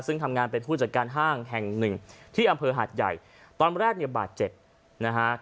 ซึ่งทำงานเป็นผู้จัดการห้างแห่งหนึ่งที่อำเภอหาดใหญ่ตอนแรกเนี่ยบาดเจ็บนะฮะ